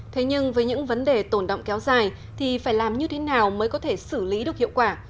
thế nhưng với những vấn đề tồn động kéo dài thì phải làm như thế nào mới có thể xử lý được hiệu quả